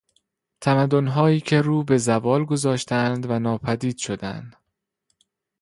تمدنهایی که روبه زوال گذاشتند و ناپدید شدند